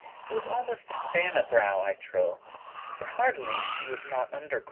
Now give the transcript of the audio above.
It was almost a spanne broad I trow; For *hardily she was not undergrow*.